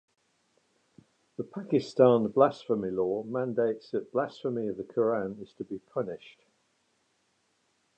The Pakistan blasphemy law mandates that blasphemy of the Qur'an is to be punished.